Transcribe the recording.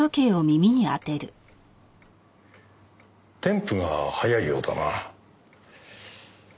テンプが早いようだな。